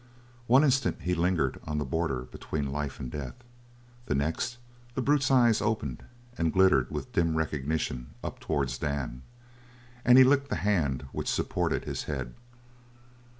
One instant he lingered on the border between life and death; the next, the brute's eyes opened and glittered with dim recognition up towards Dan, and he licked the hand which supported his head.